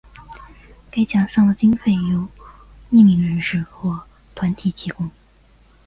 该奖项的经费由匿名人士或团体提供。